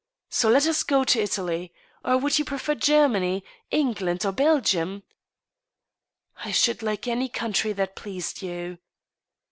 So let us go to Italy. .;. Or, would you prefer Germany, England, or Belgium ?"" I should like any country that pleased you."